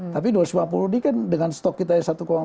tapi dua ratus lima puluh ini kan dengan stok kita yang satu empat